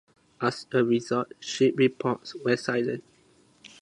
As a result, ship reports were silenced.